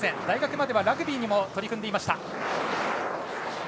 大学まではラグビーにも取り組んでいました。